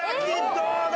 どうだ？